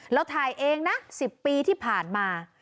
เราถ่ายเองนะ๑๐ปีที่ผ่านมา